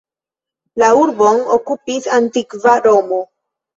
La urbon okupis antikva Romo.